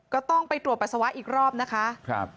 ก็ต้องไปตรวจปัสสาวะอีกรอบนะคะ